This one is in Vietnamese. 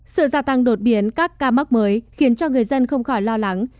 sự gia tăng đột biến các ca mắc mới khiến cho người dân không khỏi lo lắng